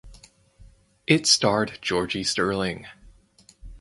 It starred Georgie Sterling.